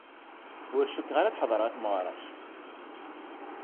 Ur cukkeɣ ara ad ḥeḍreɣ i tmeɣra-k.